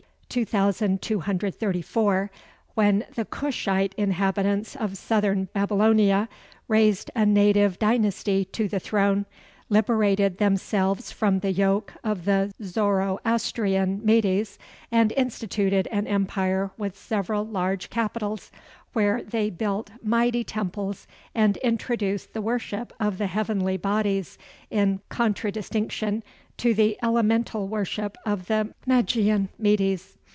2234, when the Cushite inhabitants of southern Babylonia raised a native dynasty to the throne, liberated themselves from the yoke of the Zoroastrian Medes, and instituted an empire with several large capitals, where they built mighty temples and introduced the worship of the heavenly bodies in contradistinction to the elemental worship of the Magian Medes.